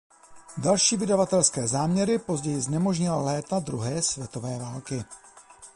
Další vydavatelské záměry později znemožnila léta druhé světové války.